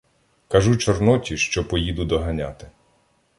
Кажу Чорноті, що поїду доганяти.